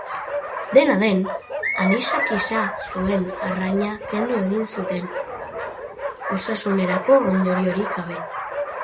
Dena den, anisakisa zuen arraina kendu egin zuten, osasunerako ondoriorik gabe.